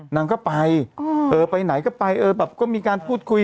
นางก็ไปเออไปไปไหนก็ไปเออแบบก็มีการพูดคุย